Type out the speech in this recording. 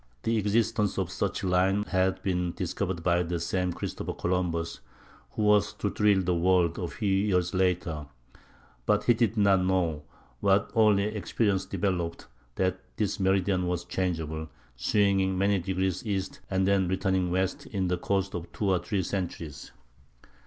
The existence of such a line had been discovered by the same Christopher Columbus who was to thrill the world a few years later; but he did not know, what only experience developed, that this meridian was changeable, swinging many degrees east and then returning west in the course of two or three centuries.